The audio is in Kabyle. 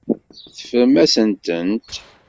Teffrem-asen-tent.